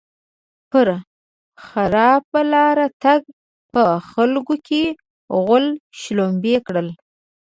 پر خراپه لاره تګ؛ په خلګو کې غول شلومبی کړل.